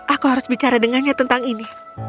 aku harus bicara dengannya tentang ini